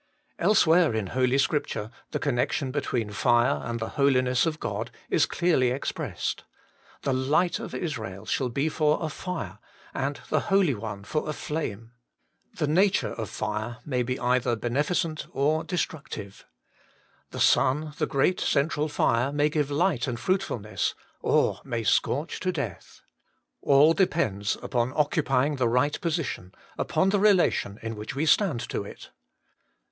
Elsewhere in Holy Scripture the connection between fire and the Holiness of God is clearly expressed :' The light of Israel shall be for a fire, and the Holy One for a flame.' The nature of fire may be either beneficent or destructiva The sun, the great central fire, may give life and fruitfulness, or may scorch to death. All depends upon occupying the right position, upon the relation in which we stand to it.